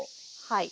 はい。